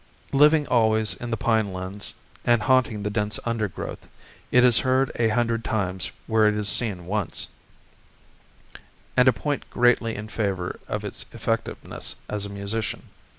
Living always in the pine lands, and haunting the dense undergrowth, it is heard a hundred times where it is seen once, a point greatly in favor of its effectiveness as a musician.